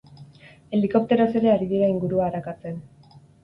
Helikopteroz ere ari dira ingurua arakatzen.